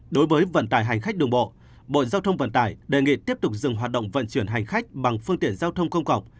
đối với vận tải hành khách đường bộ bộ giao thông vận tải đề nghị tiếp tục dừng hoạt động vận chuyển hành khách bằng phương tiện giao thông công cộng